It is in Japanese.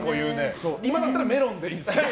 今だったらメロンでいいんですね。